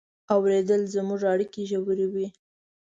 اورېدل زموږ اړیکې ژوروي.